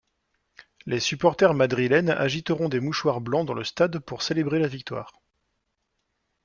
Les supporters madrilènes agiteront des mouchoirs blancs dans le stade pour célébrer la victoire.